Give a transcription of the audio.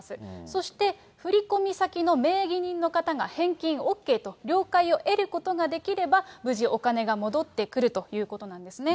そして振り込み先の名義人の方が返金ＯＫと、了解を得ることができれば、無事、お金が戻ってくるということなんですね。